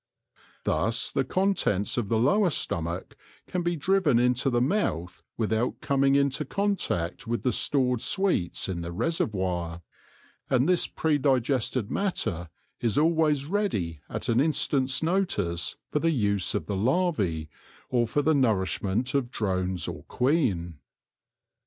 Thus the contents of the lower stomach can be driven into the mouth without coming into contact with the stored sweets in the reservoir, and this pre digested matter is always ready at an instant's notice for the use of the larvae, or for the nourishment of drones or queen.